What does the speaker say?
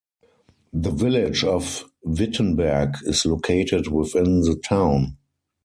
The Village of Wittenberg is located within the town.